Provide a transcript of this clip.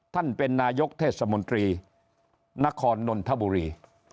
ท่านเป็นนายกเทศมนตรีนครนนทบุรี